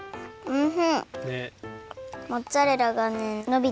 うん！